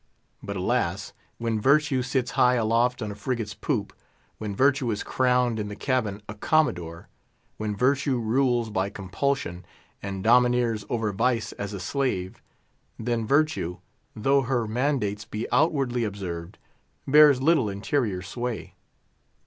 But alas! when Virtue sits high aloft on a frigate's poop, when Virtue is crowned in the cabin a Commodore, when Virtue rules by compulsion, and domineers over Vice as a slave, then Virtue, though her mandates be outwardly observed, bears little interior sway.